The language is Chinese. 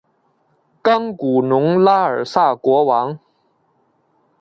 冈古农拉尔萨国王。